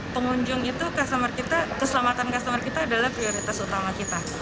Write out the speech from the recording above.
pengunjung itu keselamatan customer kita adalah prioritas utama kita